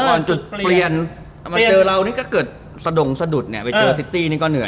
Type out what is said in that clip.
เค้าถือว่าคุณทั้งสองเนี่ยคือ